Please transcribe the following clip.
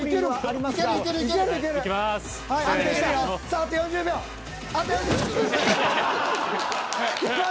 さああと４０秒。